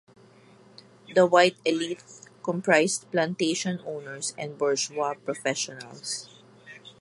The white elite comprised plantation owners and bourgeois professionals.